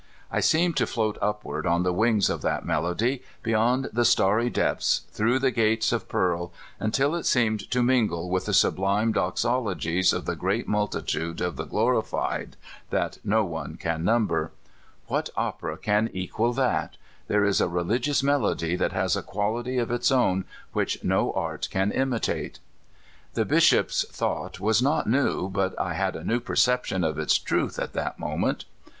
I seemed to float upward on the wings of that melody, beyond the starry deptlis, through the gates of pearl, until it seemed to mingle with the sublime doxologies of the great multitude of the glorified that no one can number. "What ()])era can c(iual tliat? There is a reli<r My First CaVfurnid C a mjo meeting. 157 iouis melody that ho s a quality of its owu which uo art can imitate." The Bisliop's thought was not new, but I had a new perception of its truth at that moment.